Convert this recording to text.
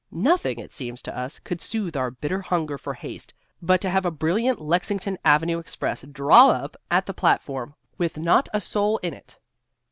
Nothing, it seems to us, could soothe our bitter hunger for haste but to have a brilliant Lexington Avenue express draw up at the platform with not a soul in it.